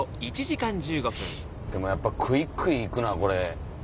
でもやっぱクイクイ行くこれ。